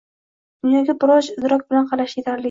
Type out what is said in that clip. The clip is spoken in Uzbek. dunyoga biroz idrok ko‘zi bilan qarash yetarli.